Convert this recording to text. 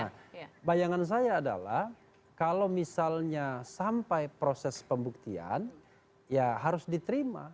nah bayangan saya adalah kalau misalnya sampai proses pembuktian ya harus diterima